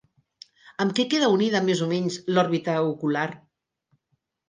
Amb què queda unida més o menys l'òrbita ocular?